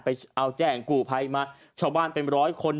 ไปเอาแจ้งกู้ไพ่มาช่อบ้านเป็น๑๐๐คน